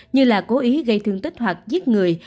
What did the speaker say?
như là cố ý gây thương tích hoặc giết người